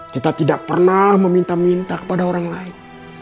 kita tidak pernah meminta minta kepada orang lain